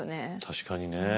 確かにね。